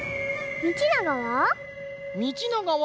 みちながは？